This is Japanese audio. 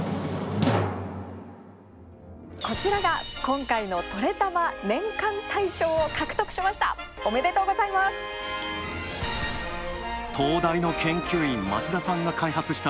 こちらが今回の「トレたま年間大賞」を獲得しました！